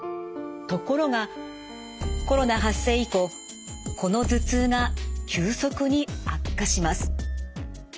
ところがコロナ発生以降この頭痛が急速に悪化します。